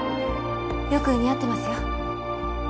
よく似合ってますよ。